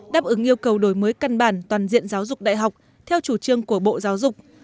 đáp ứng yêu cầu đổi mới căn bản toàn diện giáo dục đại học theo chủ trương của bộ giáo dục